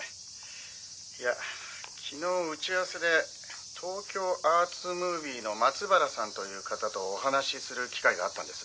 「いや昨日打ち合わせで東京アーツムービーの松原さんという方とお話しする機会があったんです」